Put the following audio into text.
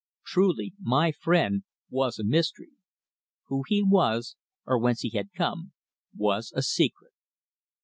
Truly my friend was a mystery. Who he was, or whence he had come, was a secret.